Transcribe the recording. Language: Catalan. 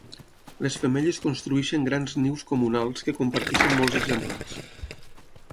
Les femelles construeixen grans nius comunals que comparteixen molts exemplars.